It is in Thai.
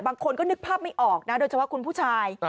บางคนก็นึกภาพไม่ออกนะโดยเฉพาะคุณผู้ชาย